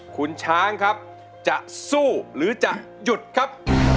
คุณช้างครับจะสู้หรือจะหยุดครับ